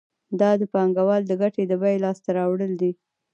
دا د پانګوال د ګټې د بیې لاس ته راوړل دي